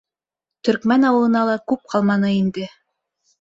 Төркмән ауылына ла күп ҡалманы инде.